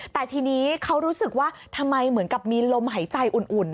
แต่ทีนี้เขารู้สึกว่าทำไมเหมือนกับมีลมหายใจอุ่น